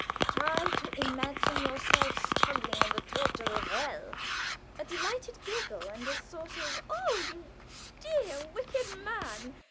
Try to imagine yourself struggling in the tortures of hell" (a delighted giggle and a sort of "Oh, you dear, wicked man!"